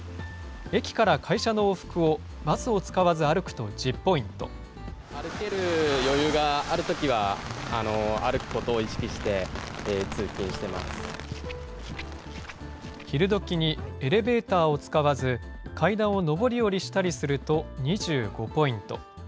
駅から会社の往復をバスを使わず歩ける余裕があるときは、歩昼どきにエレベーターを使わず、階段を上り下りしたりすると２５ポイント。